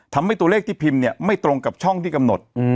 ทำให้ตัวเลขที่พิมพ์เนี่ยไม่ตรงกับช่องที่กำหนด